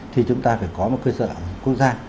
thì chúng ta phải có một cơ sở quốc gia